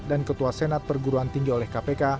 dan ketua senat perguruan tinggi oleh kpk